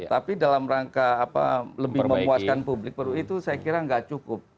tapi dalam rangka apa lebih memuaskan publik itu saya kira nggak cukup